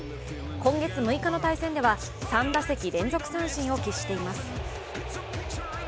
今月６日の対戦では３打席連続三振を喫しています。